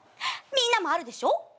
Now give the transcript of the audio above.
みんなもあるでしょ？